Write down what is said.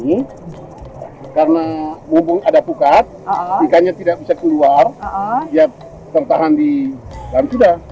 ya jadi cara tangkap ikan ini karena mumpung ada pukat ikannya tidak bisa keluar biar tertahan di dan sudah